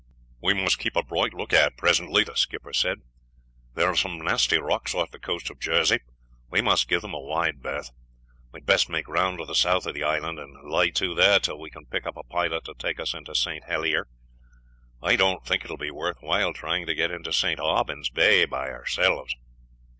"We must keep a bright lookout presently," the skipper said; "there are some nasty rocks off the coast of Jersey. We must give them a wide berth. We had best make round to the south of the island, and lay to there till we can pick up a pilot to take us into St. Helier. I don't think it will be worth while trying to get into St. Aubyn's Bay by ourselves."